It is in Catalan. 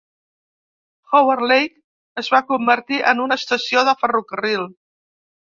Howard Lake es va convertir en una estació de ferrocarril.